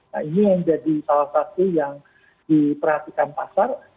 nah ini yang jadi salah satu yang diperhatikan pasar